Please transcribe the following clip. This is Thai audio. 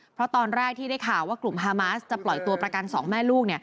เพราะตอนแรกที่ได้ข่าวว่ากลุ่มฮามาสจะปล่อยตัวประกันสองแม่ลูก